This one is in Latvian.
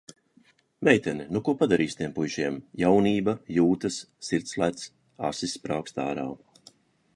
Meitene, nu ko padarīsi tiem puišiem. Jaunība, jūtas, sirds lec, asis sprāgst ārā.